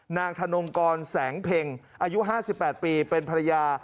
ธนงกรแสงเพ็งอายุ๕๘ปีเป็นภรรยา